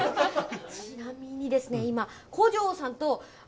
ちなみにですね